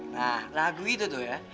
nah lagu itu tuh ya